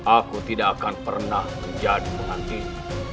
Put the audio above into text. aku tidak akan pernah menjadi perempuan ini